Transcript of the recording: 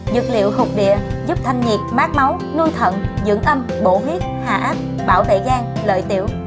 dược liệu hụt địa giúp thanh nhiệt mát máu nuôi thận dưỡng âm bổ huyết hạ áp bảo vệ gan lợi tiểu